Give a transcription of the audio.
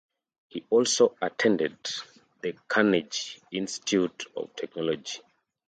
He also attended the Carnegie Institute of Technology.